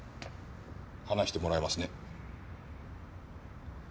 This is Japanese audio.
話してもらえますね？